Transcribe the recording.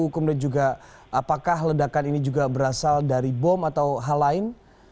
kemudian juga apakah ledakan ini juga berasal dari bom atau hal lain